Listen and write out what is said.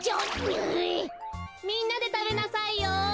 みんなでたべなさいよ。